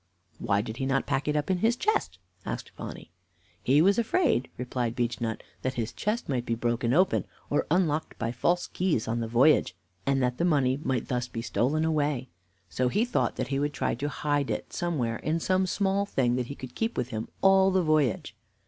"Why did he not pack it up in his chest?" asked Phonny. "He was afraid," replied Beechnut, "that his chest might be broken open, or unlocked by false keys, on the voyage, and that the money might be thus stolen away; so he thought that he would try to hide it somewhere in some small thing that he could keep with him all the voyage."